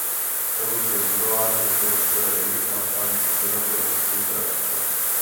Stanice je zbudovaná ve směru sever–jih a nachází se severně od centra obce.